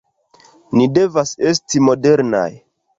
Ni devas esti modernaj!